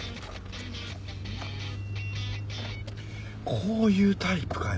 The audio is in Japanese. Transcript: こういうタイプかよ